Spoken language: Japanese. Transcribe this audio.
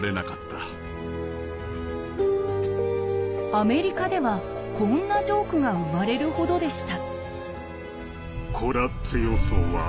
アメリカではこんなジョークが生まれるほどでした。